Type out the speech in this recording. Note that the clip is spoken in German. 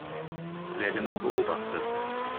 Sehr genau beobachtet.